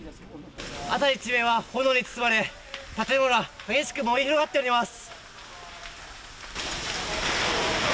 辺り一面は炎に包まれ、建物は激しく燃え広がっております。